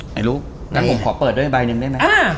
ไหนลูกงั้นผมขอเปิดด้วยใบหนึ่งได้ไหม